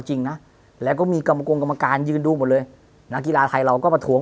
จริงนะแล้วก็มีกรรมกรกรัมการอยู่บุญเลยนักกีฬาไทยมันกทั้ง